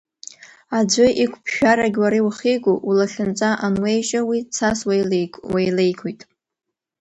Аӡәы игәԥжәарагь уара иухиго, улахьынҵа ануеижьо, уи цас уеилеигоит.